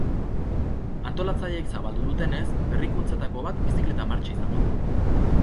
Antolatzaileek zabaldu dutenez, berrikuntzetako bat bizikleta martxa izango da.